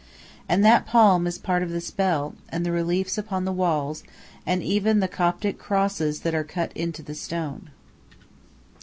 And that palm is part of the spell, and the reliefs upon the walls and even the Coptic crosses that are cut into the stone.